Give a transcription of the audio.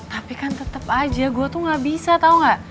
tapi kan tetap aja gue tuh gak bisa tau gak